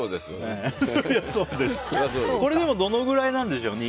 でもどのくらいなんでしょうね。